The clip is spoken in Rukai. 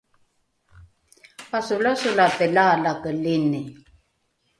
pasolasolate laalakelini